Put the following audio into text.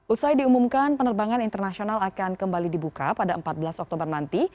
usai diumumkan penerbangan internasional akan kembali dibuka pada empat belas oktober nanti